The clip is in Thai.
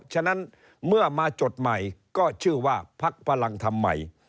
ฉะนั้นเมื่อมาจดใหม่ก็ชื่อว่าพักพลังธรรมใหม่